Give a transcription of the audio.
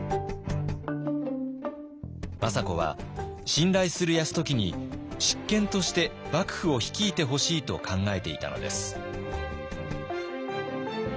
政子は信頼する泰時に執権として幕府を率いてほしいと考えていたのです。